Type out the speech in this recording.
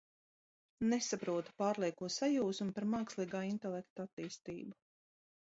Nesaprotu, pārlieko sajūsmu par mākslīgā intelekta attīstību.